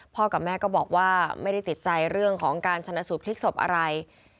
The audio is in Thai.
กับแม่ก็บอกว่าไม่ได้ติดใจเรื่องของการชนะสูตรพลิกศพอะไร